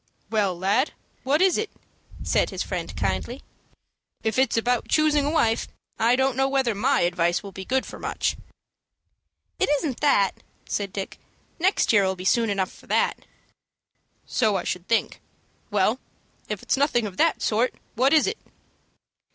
"Well, my lad, what is it?" said his friend, kindly. "If it's about choosing a wife, I don't know whether my advice will be good for much." "It isn't that," said Dick. "Next year'll be soon enough for that." "So I should think. Well, if it's nothing of that sort, what is it?"